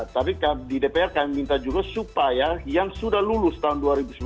tapi di dpr kami minta juga supaya yang sudah lulus tahun dua ribu sembilan belas